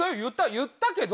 言ったけど。